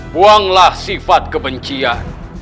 buanglah sifat kebencian